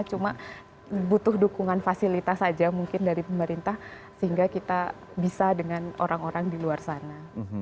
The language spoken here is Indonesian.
cuma butuh dukungan fasilitas saja mungkin dari pemerintah sehingga kita bisa dengan orang orang di luar sana